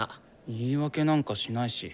言い訳なんかしないし。